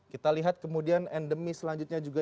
kita lihat kemudian endemi selanjutnya juga